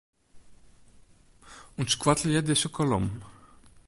Untskoattelje dizze kolom.